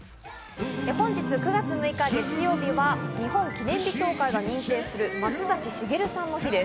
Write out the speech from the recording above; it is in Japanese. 本日９月６日、月曜日は日本記念日協会が認定する松崎しげるさんの日です。